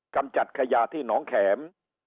กำจัดขยะที่หนองแข็ม